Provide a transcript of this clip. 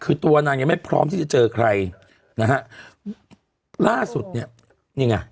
คือตัวนางยังไม่พร้อมที่จะเจอใครนะฮะล่าสุดเนี่ยนี่ไง